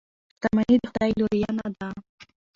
شتمني د خدای لورینه ده.